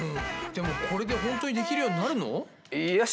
でもこれでほんとにできるようになるの？